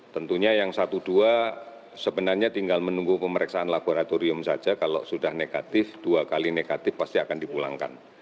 tentunya yang satu dua sebenarnya tinggal menunggu pemeriksaan laboratorium saja kalau sudah negatif dua kali negatif pasti akan dipulangkan